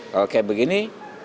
kalau kayak begini